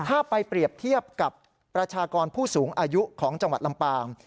ถ้าไปเปรียบเทียบกับประชากรผู้สูงอายุของจังหวัดลำปาง